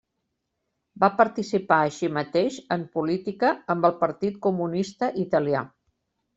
Va participar, així mateix, en política amb el Partit Comunista Italià.